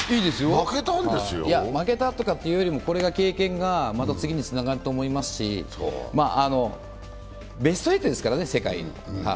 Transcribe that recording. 負けたとかというよりも、これの経験がまた次につながると思いますし、ベスト８ですからね、世界の。